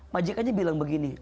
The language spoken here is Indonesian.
majikanya bilang begini